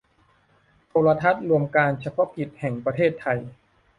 โทรทัศน์รวมการเฉพาะกิจแห่งประเทศไทย